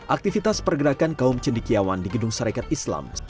aktivitas pergerakan kaum cendikiawan di gedung sarekat islam